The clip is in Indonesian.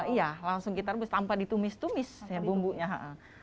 iya langsung kita rebus tanpa ditumis tumis ya bumbunya